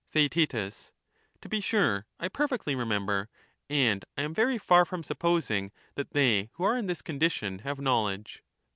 Theaet. To be sure ; I perfectly remember, and I am very far from supposing that they who are in this condition have knowledge.